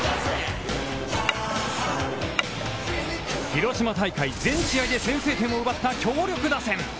広島大会全試合で先制点を奪った強力打線。